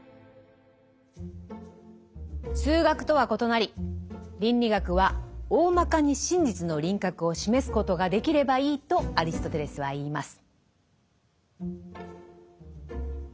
数学とは異なり倫理学は「おおまかに真実の輪郭を示すことができればいい」とアリストテレスは言います。